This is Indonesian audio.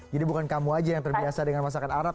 jadi bukan kamu aja yang terbiasa dengan masakan arab